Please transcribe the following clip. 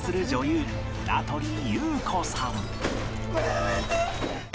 やめて！